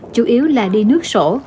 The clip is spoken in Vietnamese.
chủ yếu là đi nước sổ